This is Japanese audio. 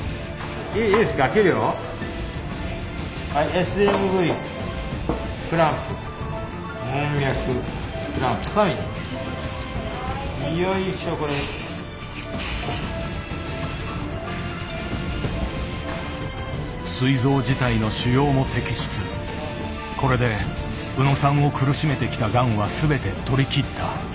これで宇野さんを苦しめてきたがんは全て取りきった。